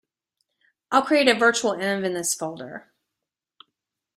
I'll create a virtualenv in this folder.